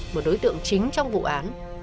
một đối tượng chính trong vụ án